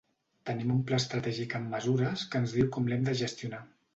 Tenim un pla estratègic amb mesures que ens diu com l'hem de gestionar.